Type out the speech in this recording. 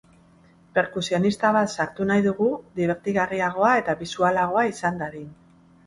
Perkusionista bat sartu nahi dugu dibertigarriagoa eta bisualagoa izan dadin.